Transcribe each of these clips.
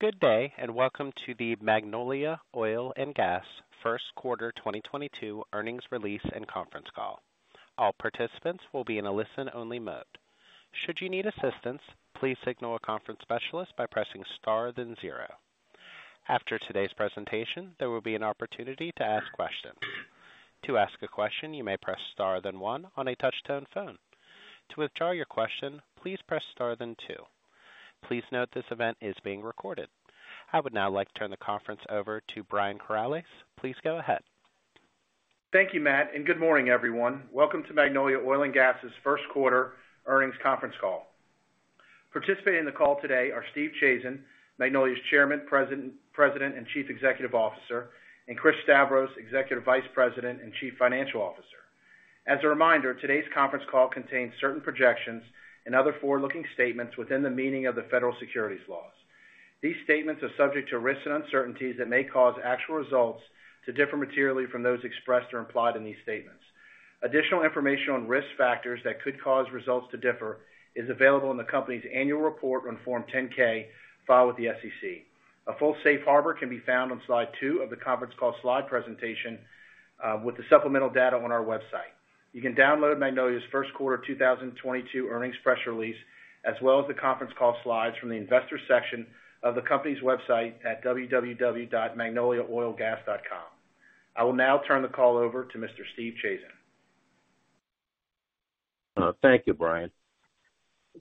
Good day, and welcome to the Magnolia Oil & Gas first quarter 2022 earnings release and conference call. All participants will be in a listen-only mode. Should you need assistance, please signal a conference specialist by pressing star then zero. After today's presentation, there will be an opportunity to ask questions. To ask a question, you may press star then one on a touch-tone phone. To withdraw your question, please press star then two. Please note this event is being recorded. I would now like to turn the conference over to Brian Corales. Please go ahead. Thank you, Matt, and good morning, everyone. Welcome to Magnolia Oil & Gas' first quarter earnings conference call. Participating in the call today are Stephen Chazen, Magnolia's Chairman, President, and Chief Executive Officer, and Chris Stavros, Executive Vice President and Chief Financial Officer. As a reminder, today's conference call contains certain projections and other forward-looking statements within the meaning of the federal securities laws. These statements are subject to risks and uncertainties that may cause actual results to differ materially from those expressed or implied in these statements. Additional information on risk factors that could cause results to differ is available in the company's annual report on Form 10-K filed with the SEC. A full safe harbor can be found on slide two of the conference call slide presentation with the supplemental data on our website. You can download Magnolia's first quarter 2022 earnings press release, as well as the conference call slides from the investor section of the company's website at www.magnoliaoilgas.com. I will now turn the call over to Mr. Steve Chazen. Thank you, Brian.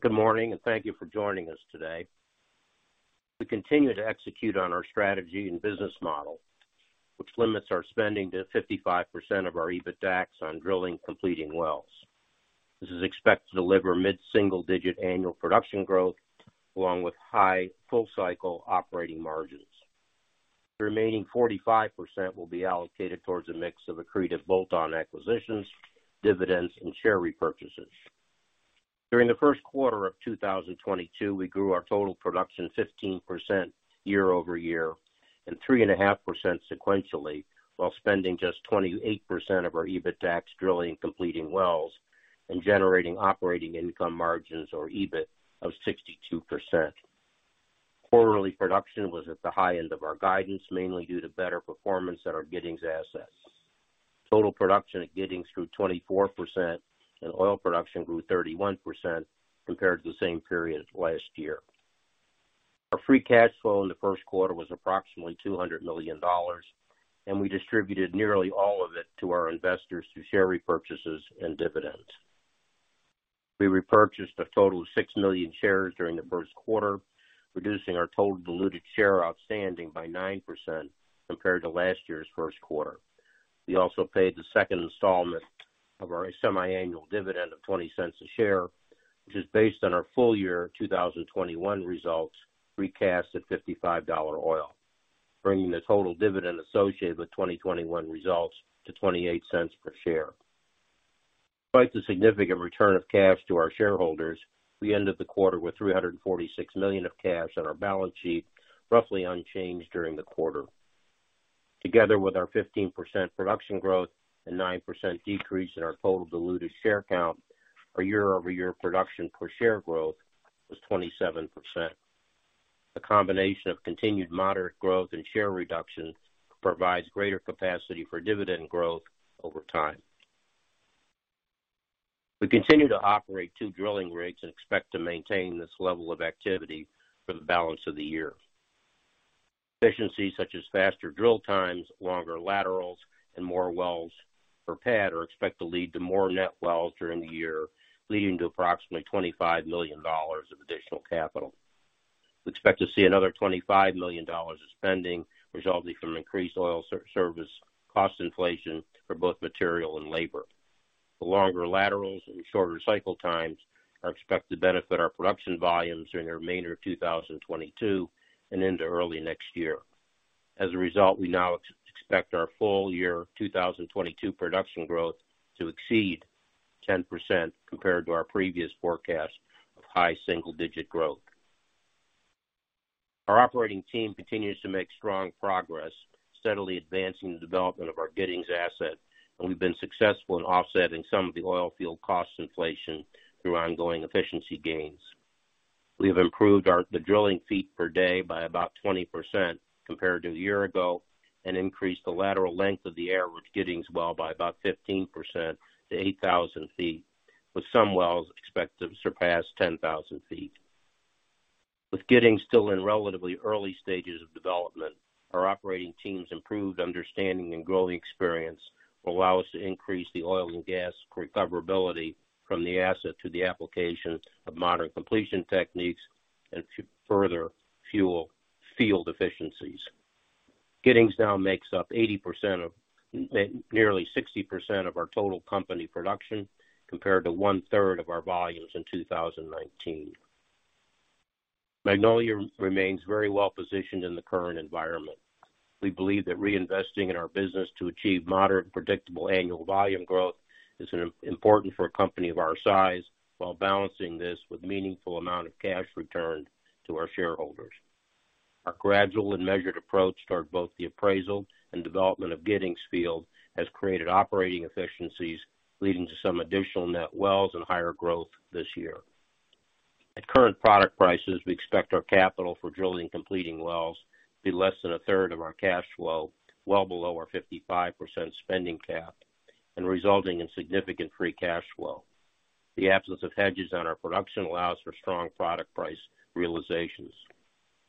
Good morning, and thank you for joining us today. We continue to execute on our strategy and business model, which limits our spending to 55% of our EBITDAX on drilling and completing wells. This is expected to deliver mid-single digit annual production growth along with high full cycle operating margins. The remaining 45% will be allocated towards a mix of accretive bolt-on acquisitions, dividends, and share repurchases. During the first quarter of 2022, we grew our total production 15% year-over-year and 3.5% sequentially, while spending just 28% of our EBITDAX drilling and completing wells and generating operating income margins or EBIT of 62%. Quarterly production was at the high end of our guidance, mainly due to better performance at our Giddings assets. Total production at Giddings grew 24%, and oil production grew 31% compared to the same period last year. Our free cash flow in the first quarter was approximately $200 million, and we distributed nearly all of it to our investors through share repurchases and dividends. We repurchased a total of 6 million shares during the first quarter, reducing our total diluted share outstanding by 9% compared to last year's first quarter. We also paid the second installment of our semi-annual dividend of $0.20 a share, which is based on our full year 2021 results recast at $55 oil, bringing the total dividend associated with 2021 results to $0.28 per share. Despite the significant return of cash to our shareholders, we ended the quarter with $346 million of cash on our balance sheet, roughly unchanged during the quarter. Together with our 15% production growth and 9% decrease in our total diluted share count, our year-over-year production per share growth was 27%. The combination of continued moderate growth and share reduction provides greater capacity for dividend growth over time. We continue to operate two drilling rigs and expect to maintain this level of activity for the balance of the year. Efficiencies such as faster drill times, longer laterals, and more wells per pad are expected to lead to more net wells during the year, leading to approximately $25 million of additional capital. We expect to see another $25 million of spending resulting from increased oil service cost inflation for both material and labor. The longer laterals and shorter cycle times are expected to benefit our production volumes during the remainder of 2022 and into early next year. As a result, we now expect our full year 2022 production growth to exceed 10% compared to our previous forecast of high single digit growth. Our operating team continues to make strong progress, steadily advancing the development of our Giddings asset, and we've been successful in offsetting some of the oil field cost inflation through ongoing efficiency gains. We have improved our drilling feet per day by about 20% compared to a year ago and increased the lateral length of the average Giddings well by about 15% to 8,000 feet, with some wells expected to surpass 10,000 feet. With Giddings still in relatively early stages of development, our operating team's improved understanding and growing experience will allow us to increase the oil and gas recoverability from the asset through the application of modern completion techniques and further full field efficiencies. Giddings now makes up 80%—nearly 60% of our total company production compared to 1/3 of our volumes in 2019. Magnolia remains very well positioned in the current environment. We believe that reinvesting in our business to achieve moderate, predictable annual volume growth is important for a company of our size while balancing this with meaningful amount of cash returned to our shareholders. Our gradual and measured approach toward both the appraisal and development of Giddings Field has created operating efficiencies, leading to some additional net wells and higher growth this year. At current product prices, we expect our capital for drilling and completing wells to be less than a third of our cash flow, well below our 55% spending cap, and resulting in significant free cash flow. The absence of hedges on our production allows for strong product price realizations.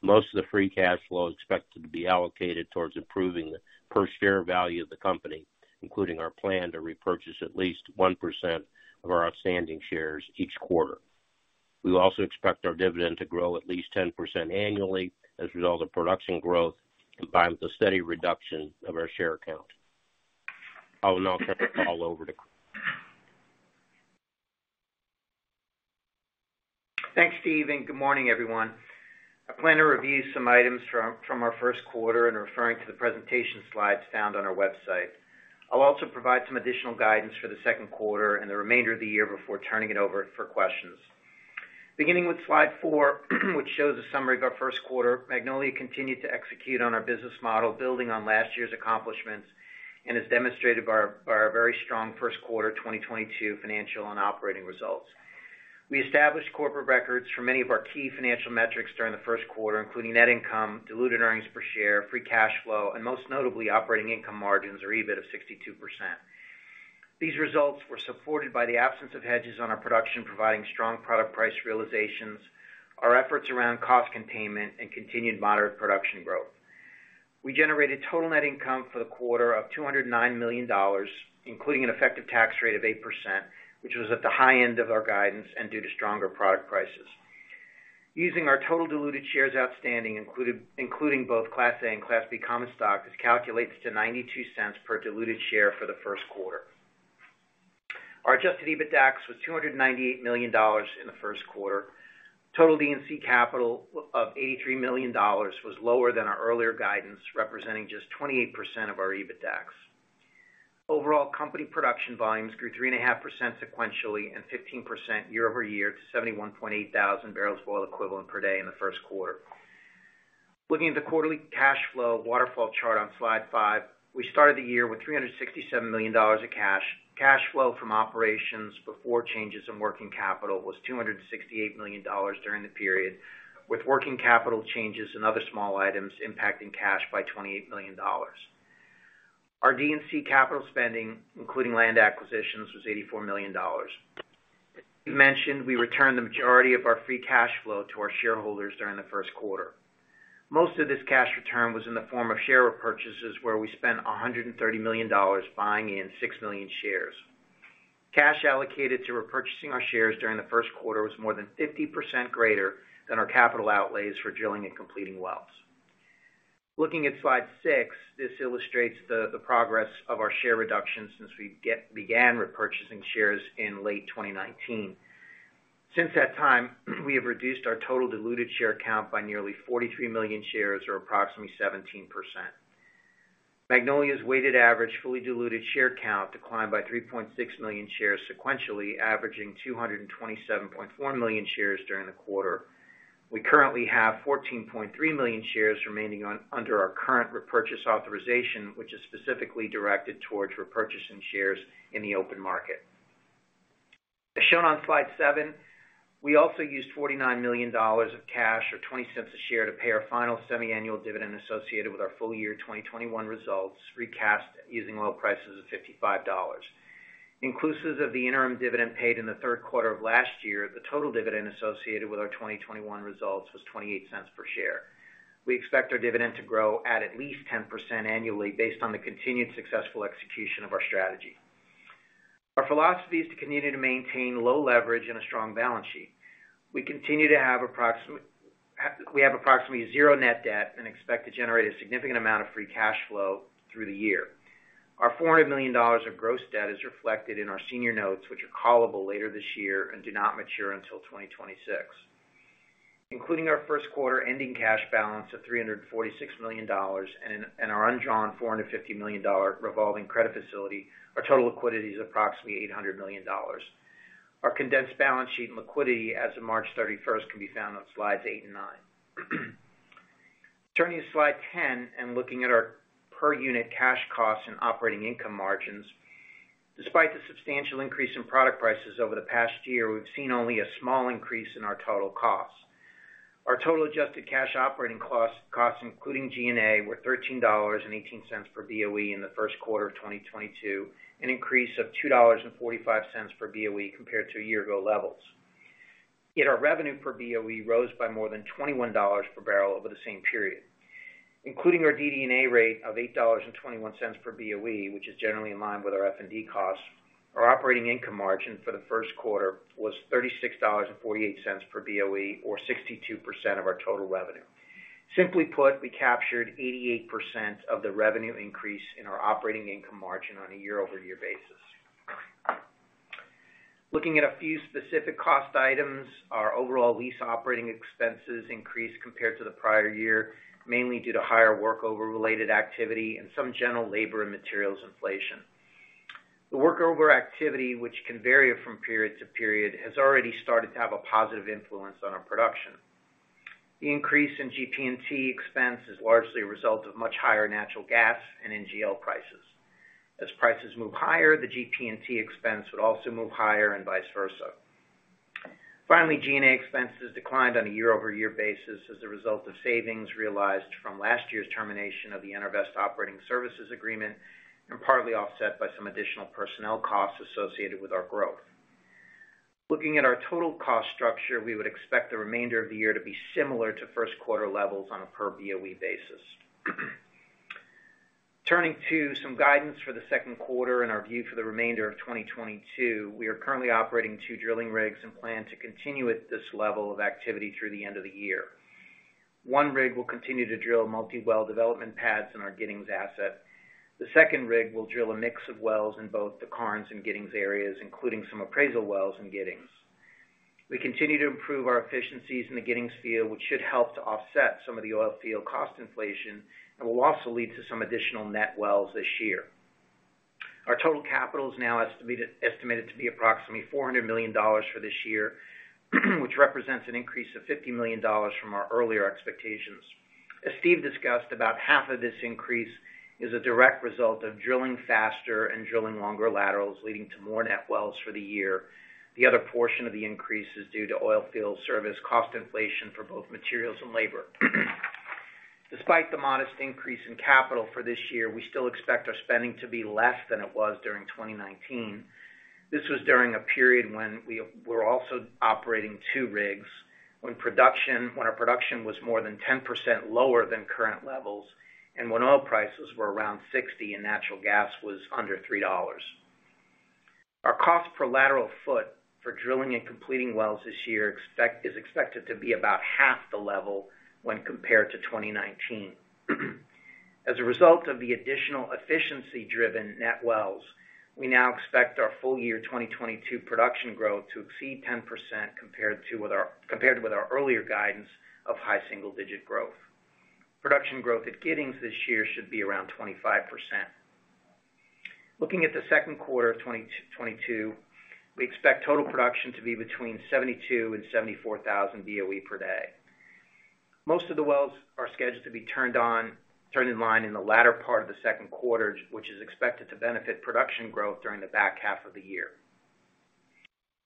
Most of the free cash flow is expected to be allocated towards improving the per share value of the company, including our plan to repurchase at least 1% of our outstanding shares each quarter. We also expect our dividend to grow at least 10% annually as a result of production growth, combined with a steady reduction of our share count. I will now turn the call over to Chris. Thanks, Steve, and good morning, everyone. I plan to review some items from our first quarter and referring to the presentation slides found on our website. I'll also provide some additional guidance for the second quarter and the remainder of the year before turning it over for questions. Beginning with slide four, which shows a summary of our first quarter, Magnolia continued to execute on our business model, building on last year's accomplishments, and as demonstrated by our very strong first quarter 2022 financial and operating results. We established corporate records for many of our key financial metrics during the first quarter, including net income, diluted earnings per share, free cash flow, and most notably, operating income margins or EBIT of 62%. These results were supported by the absence of hedges on our production, providing strong product price realizations, our efforts around cost containment, and continued moderate production growth. We generated total net income for the quarter of $209 million, including an effective tax rate of 8%, which was at the high end of our guidance and due to stronger product prices. Using our total diluted shares outstanding including both Class A and Class B common stock, this calculates to $0.92 per diluted share for the first quarter. Our adjusted EBITDAX was $298 million in the first quarter. Total D&C capital of $83 million was lower than our earlier guidance, representing just 28% of our EBITDAX. Overall, company production volumes grew 3.5% sequentially and 15% year-over-year to 71.8 thousand barrels of oil equivalent per day in the first quarter. Looking at the quarterly cash flow waterfall chart on slide 5, we started the year with $367 million of cash. Cash flow from operations before changes in working capital was $268 million during the period, with working capital changes and other small items impacting cash by $28 million. Our D&C capital spending, including land acquisitions, was $84 million. As Steve mentioned, we returned the majority of our free cash flow to our shareholders during the first quarter. Most of this cash return was in the form of share repurchases, where we spent $130 million buying in 6 million shares. Cash allocated to repurchasing our shares during the first quarter was more than 50% greater than our capital outlays for drilling and completing wells. Looking at slide 6, this illustrates the progress of our share reduction since we began repurchasing shares in late 2019. Since that time, we have reduced our total diluted share count by nearly 43 million shares, or approximately 17%. Magnolia's weighted average fully diluted share count declined by 3.6 million shares sequentially, averaging 227.4 million shares during the quarter. We currently have 14.3 million shares remaining under our current repurchase authorization, which is specifically directed towards repurchasing shares in the open market. As shown on slide seven, we also used $49 million of cash or $0.20 a share to pay our final semi-annual dividend associated with our full year 2021 results, recast using oil prices of $55. Inclusive of the interim dividend paid in the third quarter of last year, the total dividend associated with our 2021 results was $0.28 per share. We expect our dividend to grow at least 10% annually based on the continued successful execution of our strategy. Our philosophy is to continue to maintain low leverage and a strong balance sheet. We have approximately 0 net debt and expect to generate a significant amount of free cash flow through the year. Our $400 million of gross debt is reflected in our senior notes, which are callable later this year and do not mature until 2026. Including our first quarter ending cash balance of $346 million and our undrawn $450 million revolving credit facility, our total liquidity is approximately $800 million. Our condensed balance sheet and liquidity as of March 31 can be found on slides eight and nine, Turning to slide ten and looking at our per unit cash costs and operating income margins. Despite the substantial increase in product prices over the past year, we've seen only a small increase in our total costs. Our total adjusted cash operating costs including G&A, were $13.18 per BOE in the first quarter of 2022, an increase of $2.45 per BOE compared to year-ago levels. Yet our revenue per BOE rose by more than $21 per barrel over the same period. Including our DD&A rate of $8.21 per BOE, which is generally in line with our F&D costs, our operating income margin for the first quarter was $36.48 per BOE or 62% of our total revenue. Simply put, we captured 88% of the revenue increase in our operating income margin on a year-over-year basis. Looking at a few specific cost items, our overall lease operating expenses increased compared to the prior year, mainly due to higher workover-related activity and some general labor and materials inflation. The workover activity, which can vary from period to period, has already started to have a positive influence on our production. The increase in GP&T expense is largely a result of much higher natural gas and NGL prices. As prices move higher, the GP&T expense would also move higher and vice versa. Finally, G&A expenses declined on a year-over-year basis as a result of savings realized from last year's termination of the EnerVest operating services agreement, and partly offset by some additional personnel costs associated with our growth. Looking at our total cost structure, we would expect the remainder of the year to be similar to first quarter levels on a per BOE basis. Turning to some guidance for the second quarter and our view for the remainder of 2022, we are currently operating two drilling rigs and plan to continue at this level of activity through the end of the year. One rig will continue to drill multi-well development pads in our Giddings asset. The second rig will drill a mix of wells in both the Karnes and Giddings areas, including some appraisal wells in Giddings. We continue to improve our efficiencies in the Giddings field, which should help to offset some of the oil field cost inflation and will also lead to some additional net wells this year. Our total capital is now estimated to be approximately $400 million for this year, which represents an increase of $50 million from our earlier expectations. As Steve discussed, about half of this increase is a direct result of drilling faster and drilling longer laterals, leading to more net wells for the year. The other portion of the increase is due to oil field service cost inflation for both materials and labor. Despite the modest increase in capital for this year, we still expect our spending to be less than it was during 2019. This was during a period when we were also operating 2 rigs, when our production was more than 10% lower than current levels and when oil prices were around $60 and natural gas was under $3. Our cost per lateral foot for drilling and completing wells this year is expected to be about half the level when compared to 2019. As a result of the additional efficiency-driven net wells, we now expect our full year 2022 production growth to exceed 10% compared with our earlier guidance of high single-digit growth. Production growth at Giddings this year should be around 25%. Looking at the second quarter of 2022, we expect total production to be between 72,000 and 74,000 BOE per day. Most of the wells are scheduled to be turned on, turned in line in the latter part of the second quarter, which is expected to benefit production growth during the back half of the year.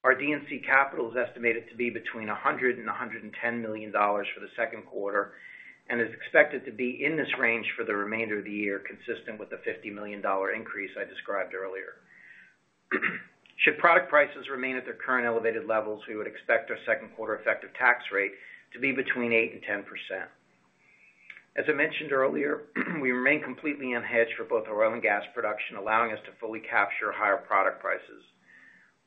Our D&C capital is estimated to be between $100 million and $110 million for the second quarter, and is expected to be in this range for the remainder of the year, consistent with the $50 million increase I described earlier. Should product prices remain at their current elevated levels, we would expect our second quarter effective tax rate to be between 8% and 10%. As I mentioned earlier, we remain completely unhedged for both our oil and gas production, allowing us to fully capture higher product prices.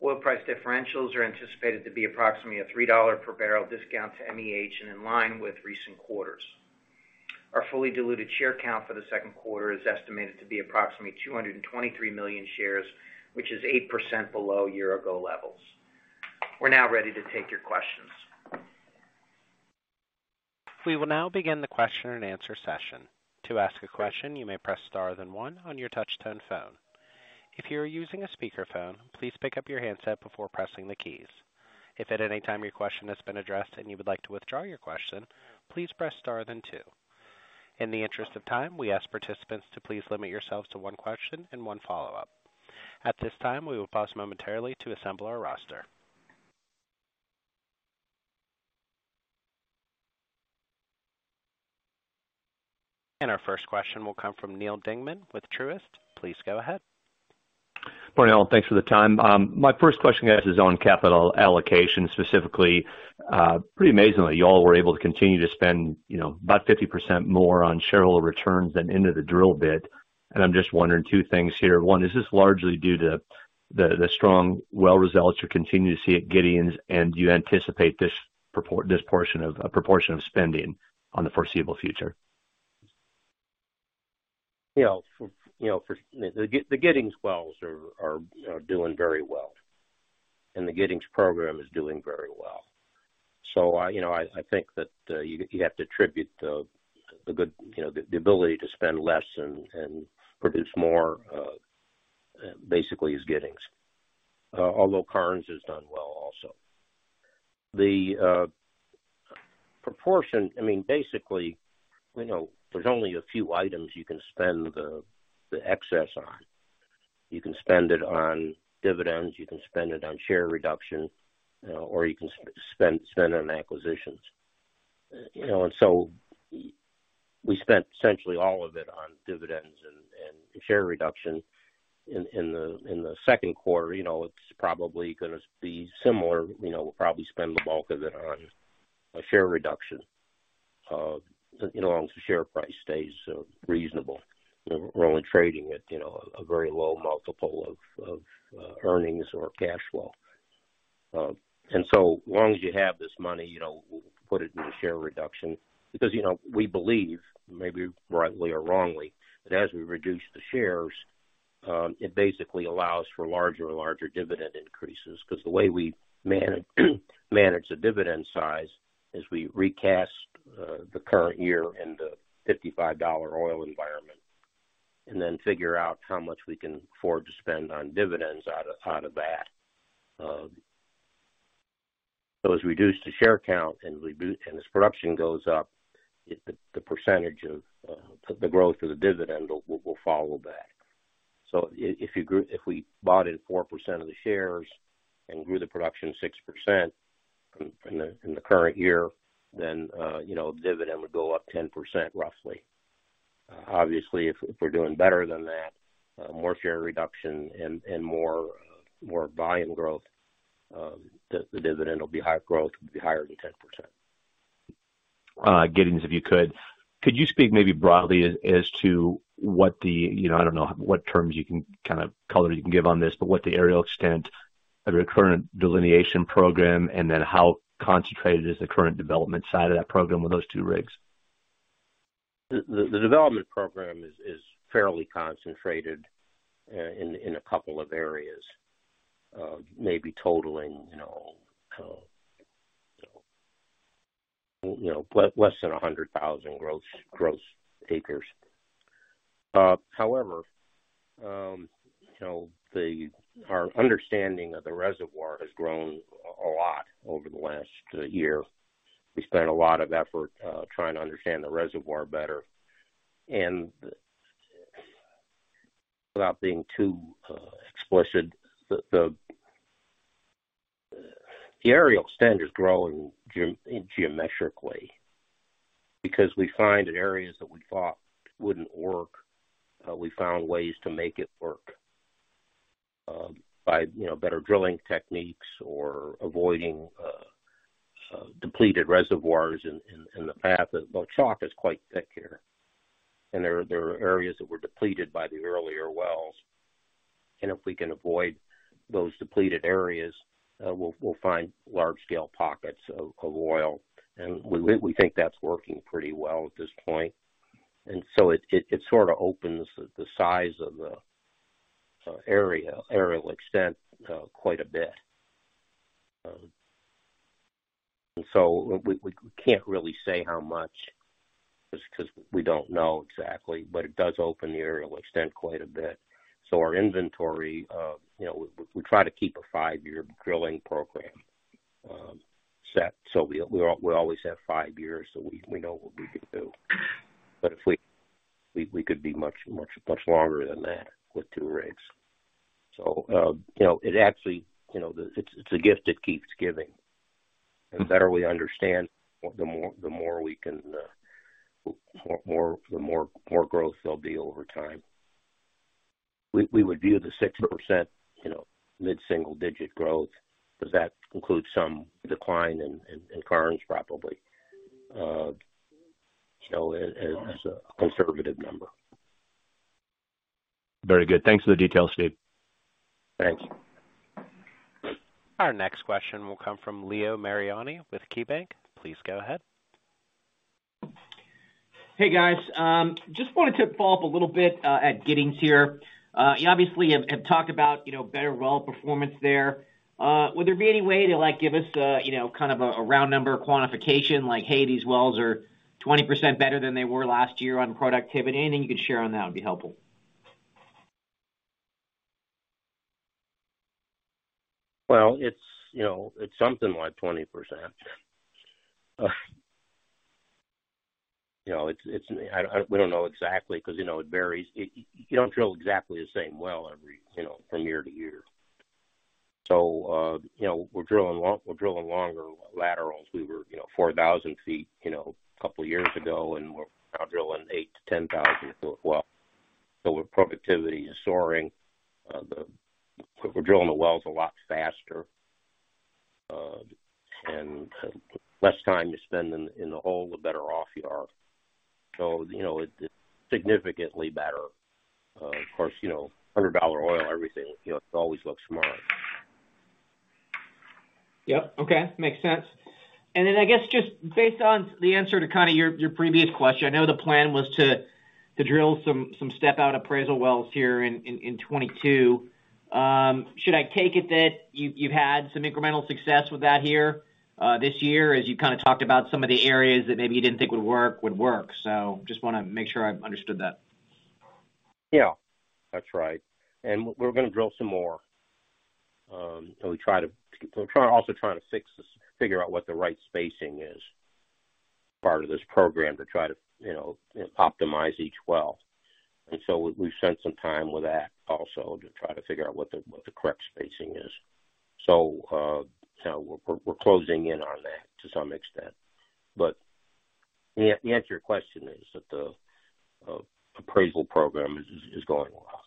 Oil price differentials are anticipated to be approximately a $3 per barrel discount to MEH and in line with recent quarters. Our fully diluted share count for the second quarter is estimated to be approximately 223 million shares, which is 8% below year-ago levels. We're now ready to take your questions. We will now begin the question and answer session. To ask a question, you may press star then one on your touch tone phone. If you're using a speaker phone, please pick up your handset before pressing the keys. If at any time your question has been addressed and you would like to withdraw your question, please press star then two. In the interest of time, we ask participants to please limit yourselves to one question and one follow-up. At this time, we will pause momentarily to assemble our roster. Our first question will come from Neal Dingmann with Truist. Please go ahead. Morning, all. Thanks for the time. My first question guys is on capital allocation specifically. Pretty amazingly, y'all were able to continue to spend, you know, about 50% more on shareholder returns than into the drill bit. I'm just wondering two things here. One, is this largely due to the strong well results you continue to see at Giddings? Do you anticipate this proportion of spending on the foreseeable future? The Giddings wells are doing very well. The Giddings program is doing very well. I think that you have to attribute the good, the ability to spend less and produce more, basically is Giddings, although Karnes has done well also. I mean, basically, you know, there's only a few items you can spend the excess on. You can spend it on dividends, you can spend it on share reduction, or you can spend it on acquisitions. You know, we spent essentially all of it on dividends and share reduction in the second quarter. You know, it's probably gonna be similar. You know, we'll probably spend the bulk of it on a share reduction, you know, as long as the share price stays reasonable. We're only trading at, you know, a very low multiple of earnings or cash flow. So long as you have this money, you know, we'll put it in the share reduction because, you know, we believe, maybe rightly or wrongly, that as we reduce the shares, it basically allows for larger and larger dividend increases. Because the way we manage the dividend size is we recast the current year in the $55 oil environment. Figure out how much we can afford to spend on dividends out of that. As we reduce the share count and as production goes up, the percentage of the growth of the dividend will follow that. If we bought in 4% of the shares and grew the production 6% in the current year, then, you know, dividend would go up 10% roughly. Obviously, if we're doing better than that, more share reduction and more buy and growth, the dividend will be high growth will be higher than 10%. Giddings, if you could speak maybe broadly as to what the, you know, I don't know what terms you can kind of color you can give on this, but what the areal extent of your current delineation program, and then how concentrated is the current development side of that program with those two rigs? The development program is fairly concentrated in a couple of areas, maybe totaling you know, less than 100,000 gross acres. However, our understanding of the reservoir has grown a lot over the last year. We spent a lot of effort trying to understand the reservoir better. Without being too explicit, the areal extent is growing geometrically because we find that areas that we thought wouldn't work, we found ways to make it work by you know, better drilling techniques or avoiding depleted reservoirs in the path. The chalk is quite thick here, and there are areas that were depleted by the earlier wells. If we can avoid those depleted areas, we'll find large scale pockets of oil. We think that's working pretty well at this point. It sort of opens the size of the area, areal extent quite a bit. We can't really say how much just 'cause we don't know exactly, but it does open the areal extent quite a bit. Our inventory, you know, we try to keep a five-year drilling program set so we always have five years, so we know what we can do. We could be much longer than that with two rigs. You know, it actually, you know, it's a gift that keeps giving. The better we understand, the more we can, the more growth there'll be over time. We would view the 6%, you know, mid-single digit growth, but that includes some decline in Karnes probably, you know, as a conservative number. Very good. Thanks for the details, Steve. Thanks. Our next question will come from Leo Mariani with KeyBanc. Please go ahead. Hey, guys. Just wanted to follow up a little bit at Giddings here. You obviously have talked about, you know, better well performance there. Would there be any way to, like, give us a, you know, kind of a round number quantification like, hey, these wells are 20% better than they were last year on productivity? Anything you could share on that would be helpful. Well, it's you know something like 20%. You know, we don't know exactly 'cause you know it varies. You don't drill exactly the same well every you know from year to year. You know, we're drilling longer laterals. We were you know 4,000 feet you know a couple years ago, and we're now drilling 8,000-10,000-foot well. Our productivity is soaring. We're drilling the wells a lot faster, and the less time you spend in the hole, the better off you are. You know, it's significantly better. Of course, you know, $100 oil, everything you know it always looks smart. Yep. Okay. Makes sense. Then I guess just based on the answer to kind of your previous question, I know the plan was to drill some step out appraisal wells here in 2022. Should I take it that you had some incremental success with that here this year as you kind of talked about some of the areas that maybe you didn't think would work? Just wanna make sure I've understood that. Yeah, that's right. We're gonna drill some more. We're trying to fix this, figure out what the right spacing is, part of this program to try to, you know, optimize each well. We've spent some time with that also to try to figure out what the correct spacing is. We're closing in on that to some extent. The answer to your question is that the appraisal program is going well.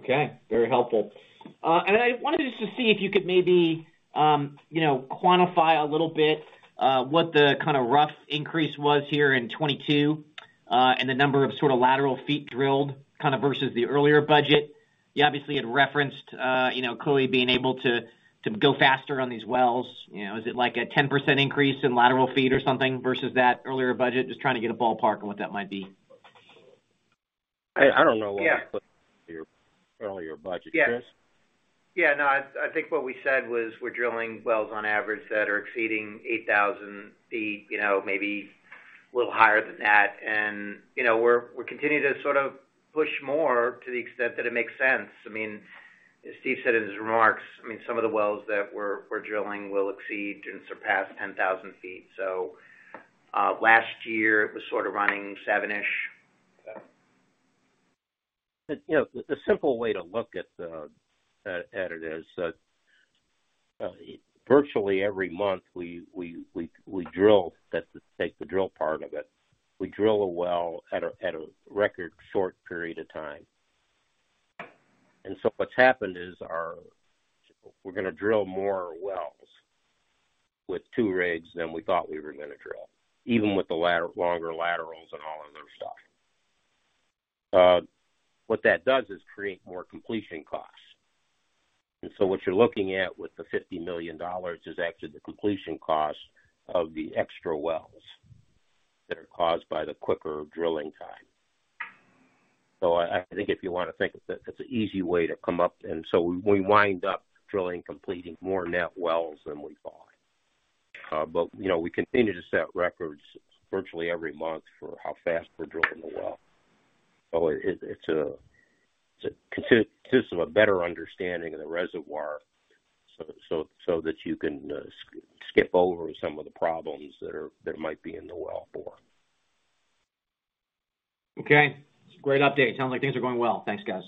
Okay, very helpful. I wanted just to see if you could maybe, you know, quantify a little bit, what the kinda rough increase was here in 2022, and the number of sort of lateral feet drilled kinda versus the earlier budget. You obviously had referenced, you know, clearly being able to go faster on these wells. You know, is it like a 10% increase in lateral feet or something versus that earlier budget? Just trying to get a ballpark on what that might be. I don't know what we put. Yeah. In the earlier budget. Chris? Yeah, no, I think what we said was we're drilling wells on average that are exceeding 8,000 feet, you know, maybe a little higher than that. You know, we continue to sort of push more to the extent that it makes sense. I mean, as Steve said in his remarks, I mean, some of the wells that we're drilling will exceed and surpass 10,000 feet. Last year, it was sort of running 7-ish. You know, the simple way to look at it is that virtually every month we drill. That's, take the drill part of it. We drill a well at a record short period of time. What's happened is we're gonna drill more wells with two rigs than we thought we were gonna drill, even with the longer laterals and all of those stuff. What that does is create more completion costs. What you're looking at with the $50 million is actually the completion cost of the extra wells that are caused by the quicker drilling time. I think if you want to think of it, that's an easy way to come up. We wind up drilling and completing more net wells than we thought. You know, we continue to set records virtually every month for how fast we're drilling the well. It's a consequence of a better understanding of the reservoir so that you can skip over some of the problems that might be in the wellbore. Okay. Great update. Sounds like things are going well. Thanks, guys.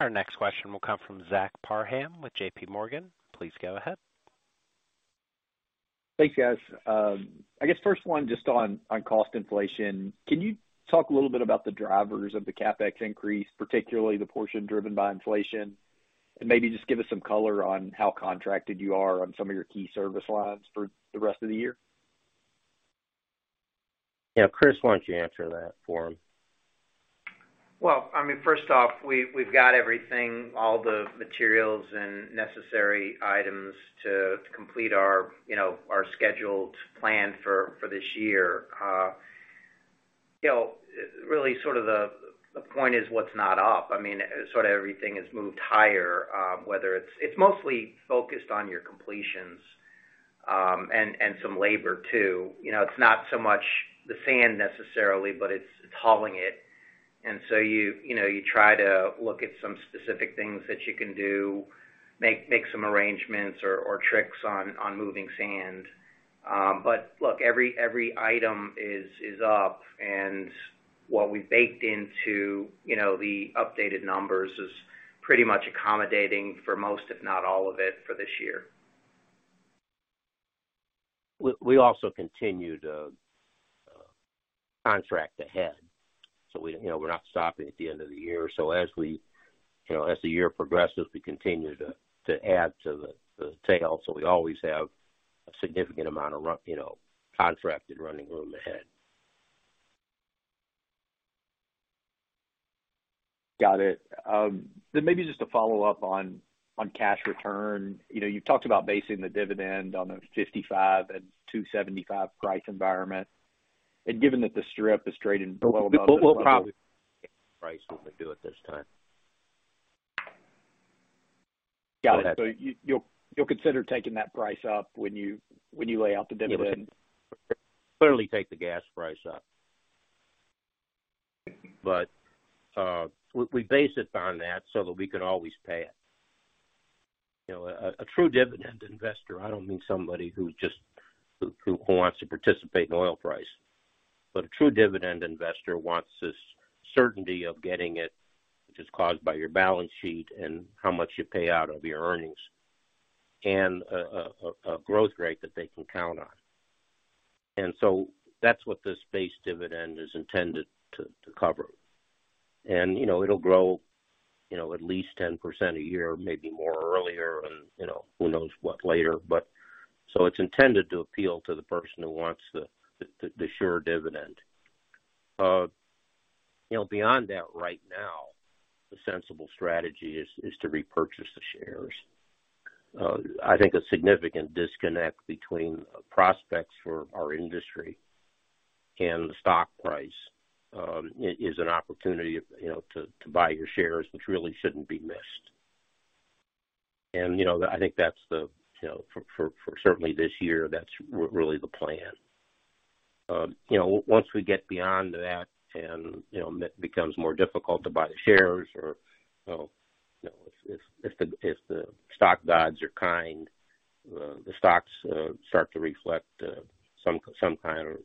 Our next question will come from Zach Parham with JPMorgan. Please go ahead. Thanks, guys. I guess first one just on cost inflation. Can you talk a little bit about the drivers of the CapEx increase, particularly the portion driven by inflation? Maybe just give us some color on how contracted you are on some of your key service lines for the rest of the year. Yeah. Chris, why don't you answer that for him? I mean, first off, we've got everything, all the materials and necessary items to complete our, you know, our scheduled plan for this year. You know, really sort of the point is what's not up. I mean, sort of everything has moved higher, whether it's. It's mostly focused on your completions, and some labor, too. You know, it's not so much the sand necessarily, but it's hauling it. You know, you try to look at some specific things that you can do, make some arrangements or tricks on moving sand. But look, every item is up. What we baked into, you know, the updated numbers is pretty much accommodating for most, if not all of it, for this year. We also continue to contract ahead. We, you know, we're not stopping at the end of the year. As we, you know, as the year progresses, we continue to add to the tail. We always have a significant amount of, you know, contracted running room ahead. Got it. Maybe just to follow up on cash return. You know, you've talked about basing the dividend on the $55 and $2.75 price environment. Given that the strip has traded well below that level. We'll probably price it to do it this time. Got it. Go ahead. You'll consider taking that price up when you lay out the dividend. Yeah. We can clearly take the gas price up. We base it on that so that we can always pay it. You know, a true dividend investor, I don't mean somebody who just wants to participate in oil price. A true dividend investor wants this certainty of getting it, which is caused by your balance sheet and how much you pay out of your earnings and a growth rate that they can count on. That's what this base dividend is intended to cover. You know, it'll grow, you know, at least 10% a year, maybe more earlier. You know, who knows what later, but. It's intended to appeal to the person who wants the sure dividend. You know, beyond that, right now, the sensible strategy is to repurchase the shares. I think a significant disconnect between prospects for our industry and the stock price is an opportunity, you know, to buy your shares, which really shouldn't be missed. You know, I think that's the, you know, for certainly this year, that's really the plan. You know, once we get beyond that and it becomes more difficult to buy the shares or, you know, if the stock gods are kind, the stocks start to reflect some kind of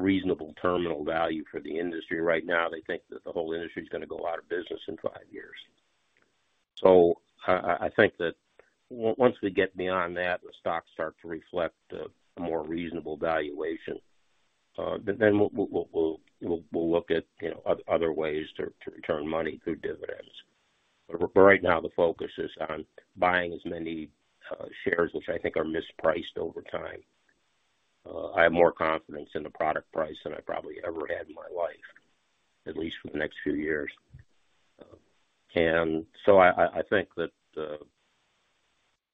reasonable terminal value for the industry. Right now, they think that the whole industry is gonna go out of business in five years. I think that once we get beyond that, the stocks start to reflect a more reasonable valuation, then we'll look at, you know, other ways to return money through dividends. Right now, the focus is on buying as many shares, which I think are mispriced over time. I have more confidence in the product price than I probably ever had in my life, at least for the next few years. I think that a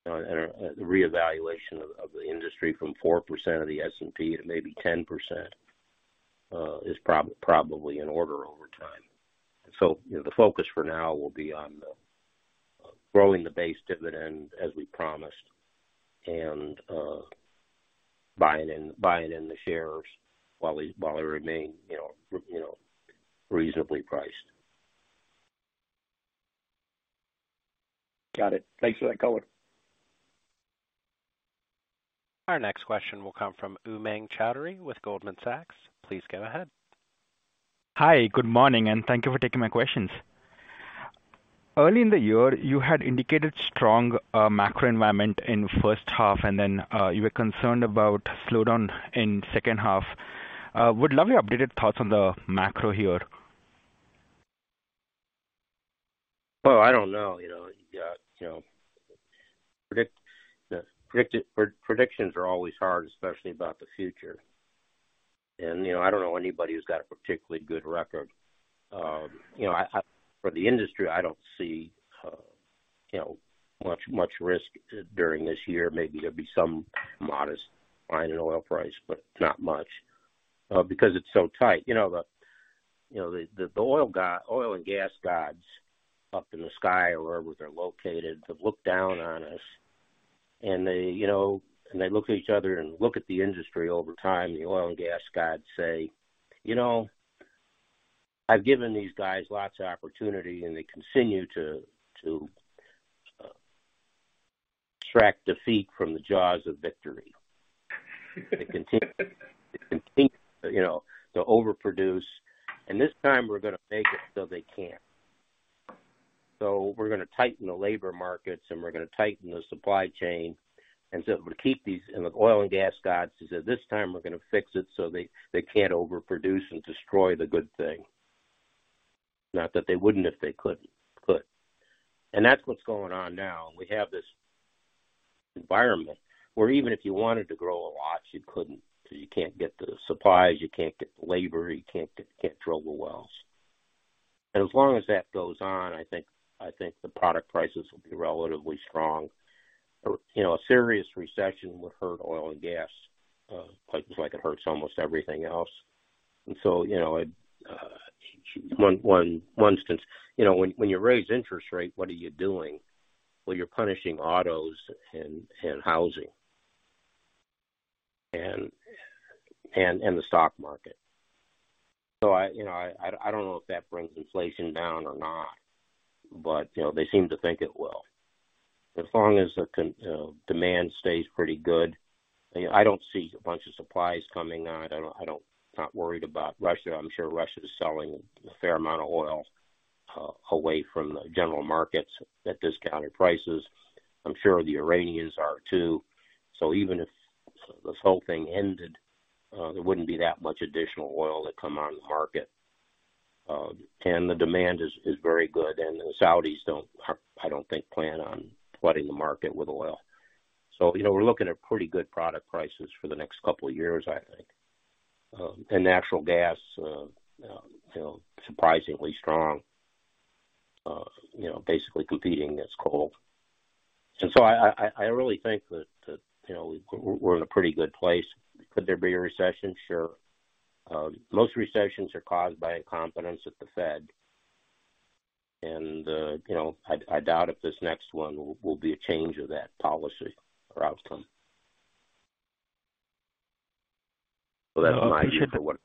reevaluation of the industry from 4% of the S&P to maybe 10% is probably in order over time. You know, the focus for now will be on the growing the base dividend as we promised and buying in the shares while they remain, you know, reasonably priced. Got it. Thanks for that color. Our next question will come from Umang Choudhary with Goldman Sachs. Please go ahead. Hi, good morning, and thank you for taking my questions. Early in the year, you had indicated strong macro environment in first half, and then you were concerned about slowdown in second half. Would love your updated thoughts on the macro here. I don't know, you know. Predictions are always hard, especially about the future. You know, I don't know anybody who's got a particularly good record. For the industry, I don't see much risk during this year. Maybe there'll be some modest decline in oil price, but not much, because it's so tight. You know, the oil and gas gods up in the sky or wherever they're located have looked down on us, and they look at each other and look at the industry over time, the oil and gas gods say, "You know, I've given these guys lots of opportunity, and they continue to extract defeat from the jaws of victory. They continue, you know, to overproduce. This time we're gonna make it so they can't. We're gonna tighten the labor markets, and we're gonna tighten the supply chain, and so we keep these. The oil and gas gods say, "This time we're gonna fix it so they can't overproduce and destroy the good thing." Not that they wouldn't if they couldn't, could. That's what's going on now. We have this environment where even if you wanted to grow a lot, you couldn't, because you can't get the supplies, you can't get the labor, you can't drill the wells. As long as that goes on, I think the product prices will be relatively strong. You know, a serious recession would hurt oil and gas, like, just like it hurts almost everything else. You know, one instance, you know, when you raise interest rate, what are you doing? Well, you're punishing autos and the stock market. I don't know if that brings inflation down or not, but you know, they seem to think it will. As long as demand stays pretty good, you know, I don't see a bunch of supplies coming on. I don't. Not worried about Russia. I'm sure Russia is selling a fair amount of oil away from the general markets at discounted prices. I'm sure the Iranians are too. Even if this whole thing ended, there wouldn't be that much additional oil to come on the market. The demand is very good. The Saudis don't, I don't think, plan on flooding the market with oil. You know, we're looking at pretty good product prices for the next couple of years, I think. Natural gas, you know, surprisingly strong, you know, basically competing as coal. I really think that, you know, we're in a pretty good place. Could there be a recession? Sure. Most recessions are caused by incompetence at the Fed. You know, I doubt if this next one will be a change of that policy or outcome. That's my view for what-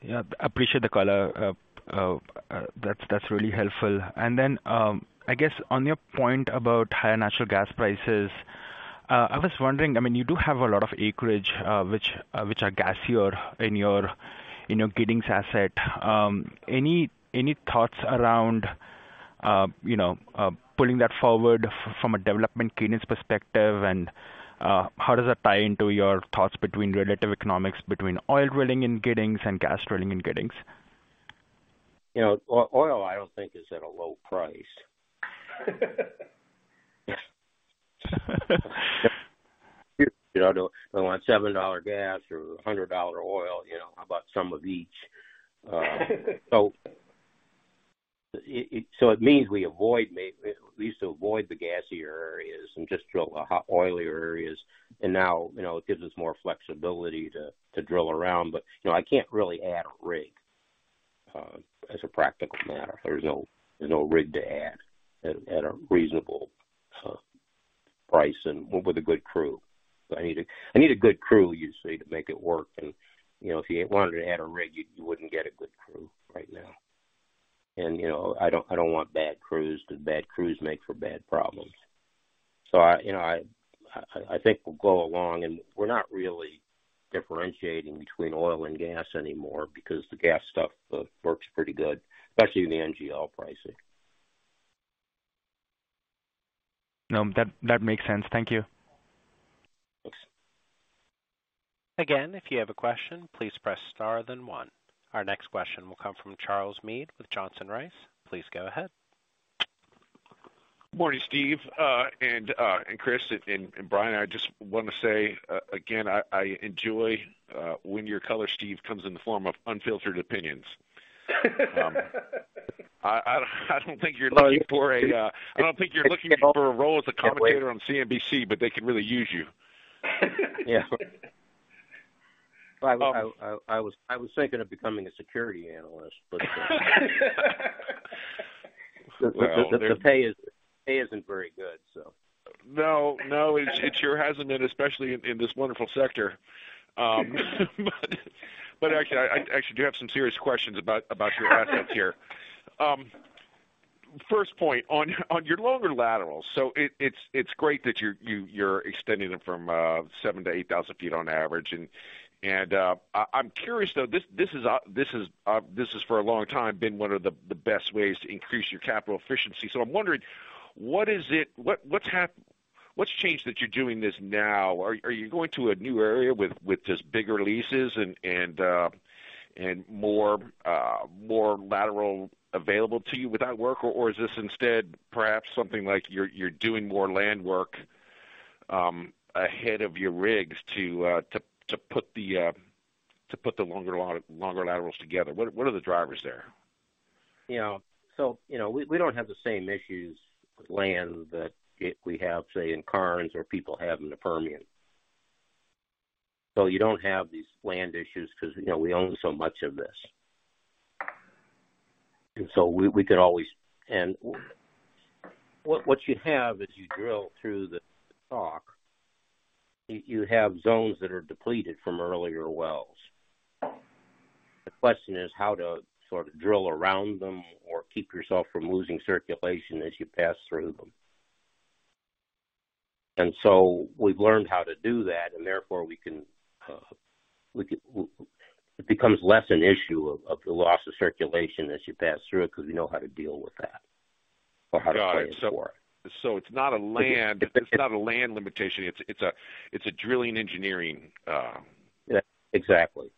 Yeah. Appreciate the color. That's really helpful. I guess on your point about higher natural gas prices, I was wondering, I mean, you do have a lot of acreage, which are gassier in your Giddings asset. Any thoughts around, you know, pulling that forward from a development cadence perspective? How does that tie into your thoughts between relative economics between oil drilling in Giddings and gas drilling in Giddings? You know, oil I don't think is at a low price. You know, I don't want $7 gas or $100 oil, you know. How about some of each? It means we used to avoid the gassier areas and just drill oilier areas. Now, you know, it gives us more flexibility to drill around. You know, I can't really add a rig, as a practical matter. There's no rig to add at a reasonable price and with a good crew. I need a good crew usually to make it work. You know, if you wanted to add a rig, you wouldn't get a good crew right now. You know, I don't want bad crews. The bad crews make for bad problems. I, you know, think we'll go along. We're not really differentiating between oil and gas anymore because the gas stuff works pretty good, especially in the NGL pricing. No, that makes sense. Thank you. Thanks. Again, if you have a question, please press star then one. Our next question will come from Charles Meade with Johnson Rice. Please go ahead. Morning, Steve, and Chris and Brian. I just wanna say I enjoy when your color, Steve, comes in the form of unfiltered opinions. I don't think you're looking for a role as a commentator on CNBC, but they could really use you. Yeah. I was thinking of becoming a security analyst, but the pay isn't very good, so. No, no, it sure hasn't been, especially in this wonderful sector. Actually I actually do have some serious questions about your assets here. First point, on your longer laterals. It's great that you're extending them from 7,000-8,000 feet on average. I'm curious though, this is for a long time been one of the best ways to increase your capital efficiency. I'm wondering, what's changed that you're doing this now? Are you going to a new area with just bigger leases and more lateral available to you with that work? Is this instead perhaps something like you're doing more land work ahead of your rigs to put the longer laterals together? What are the drivers there? You know, we don't have the same issues with land that we have, say, in Karnes or people have in the Permian. You don't have these land issues because, you know, we own so much of this. What you have is you drill through the rock. You have zones that are depleted from earlier wells. The question is how to sort of drill around them or keep yourself from losing circulation as you pass through them. We've learned how to do that, and therefore we can. It becomes less an issue of the loss of circulation as you pass through it, because we know how to deal with that or how to plan for it. Got it. It's not a land limitation. It's a drilling engineering. Yeah, exactly.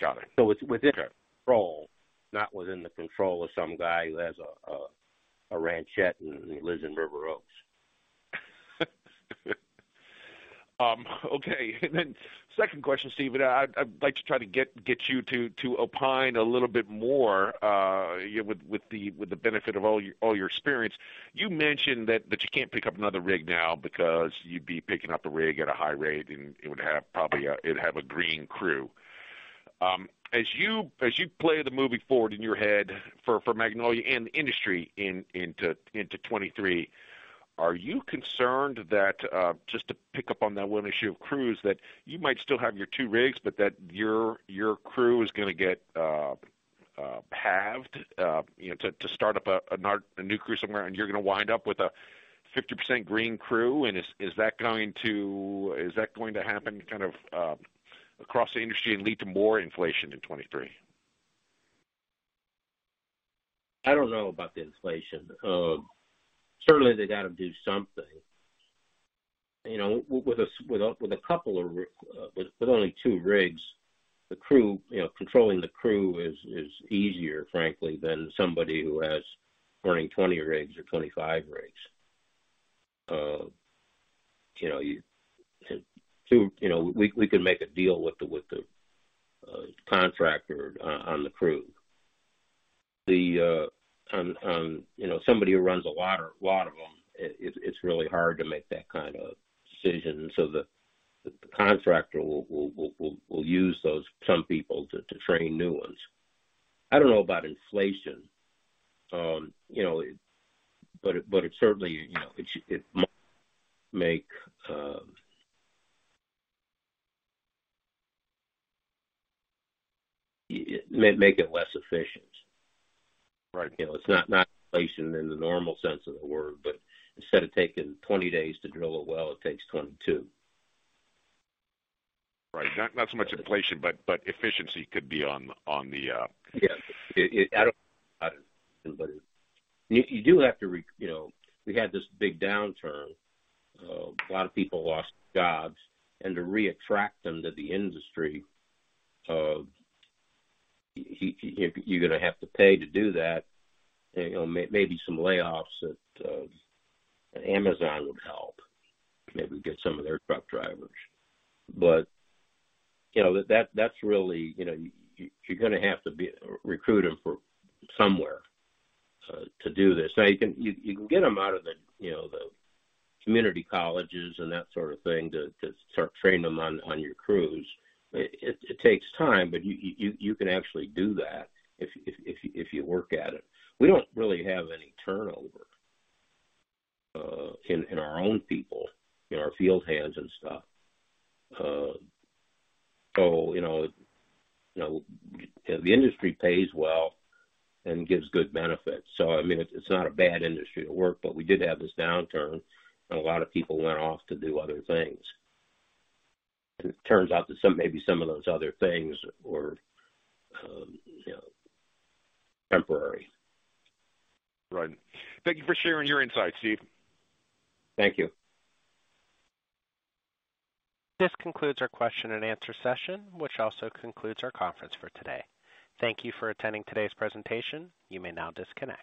Got it. It's within our control, not within the control of some guy who has a ranchette and lives in River Oaks. Okay. Then second question, Steve, and I'd like to try to get you to opine a little bit more with the benefit of all your experience. You mentioned that you can't pick up another rig now because you'd be picking up a rig at a high rate, and it would have probably it'd have a green crew. As you play the movie forward in your head for Magnolia and the industry into 2023, are you concerned that just to pick up on that one issue of crews, that you might still have your two rigs, but that your crew is gonna get poached, you know, to start up a new crew somewhere, and you're gonna wind up with a 50% green crew? Is that going to happen kind of across the industry and lead to more inflation in 2023? I don't know about the inflation. Certainly they got to do something. You know, with only two rigs, the crew, you know, controlling the crew is easier, frankly, than somebody who has running 20 rigs or 25 rigs. You know, two, you know, we can make a deal with the contractor on the crew. You know, somebody who runs a lot of them, it's really hard to make that kind of decision. So the contractor will use those some people to train new ones. I don't know about inflation. You know, it certainly, you know, it might make it may make it less efficient. Right. You know, it's not inflation in the normal sense of the word, but instead of taking 20 days to drill a well, it takes 22. Right. Not so much inflation, but efficiency could be on the, Yes. You do have to, you know, we had this big downturn. A lot of people lost jobs, and to reattract them to the industry, you're gonna have to pay to do that. You know, maybe some layoffs at Amazon would help. Maybe get some of their truck drivers. You know, that's really. You know, you're gonna have to recruit them from somewhere to do this. Now, you can get them out of the community colleges and that sort of thing to start training them on your crews. It takes time, but you can actually do that if you work at it. We don't really have any turnover in our own people, in our field hands and stuff. You know, the industry pays well and gives good benefits. I mean, it's not a bad industry to work, but we did have this downturn, and a lot of people went off to do other things. It turns out that some, maybe some of those other things were, you know, temporary. Right. Thank you for sharing your insights, Steve. Thank you. This concludes our question and answer session, which also concludes our conference for today. Thank you for attending today's presentation. You may now disconnect.